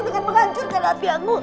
dengan menghancurkan hati aku